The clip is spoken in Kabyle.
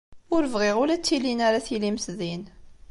Ur bɣiɣ ula d tilin ara tilimt din.